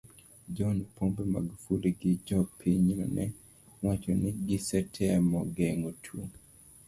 John Pombe Magufuli gi jopinyno ne wacho ni gisetemo geng'o tuo